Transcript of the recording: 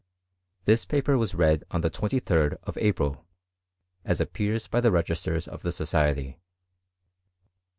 This paper was read on the 23d of April, as appears by the registers of the society.